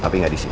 tapi gak disini